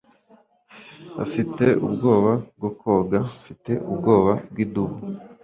afite ubwoba bwo koga. mfite ubwoba bw'idubu